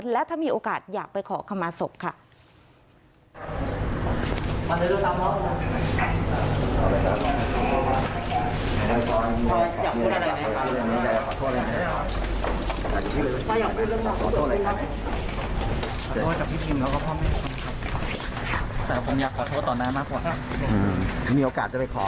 และถ้ามีโอกาสอยากไปขอขมาศพค่ะ